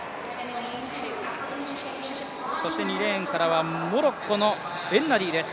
そして２レーンからはモロッコのエンナディです。